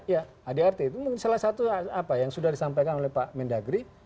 iya adart itu mungkin salah satu yang sudah disampaikan oleh pak mendagri